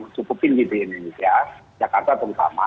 mencukupi di indonesia jakarta terutama